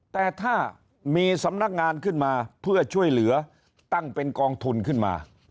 แต่ถ้ามีสำนักงานขึ้นมาเพื่อช่วยเหลือตั้งเป็นกองทุนขึ้นมา